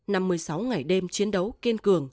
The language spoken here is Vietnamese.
năm mươi sáu ngày đêm chiến đấu kiên cường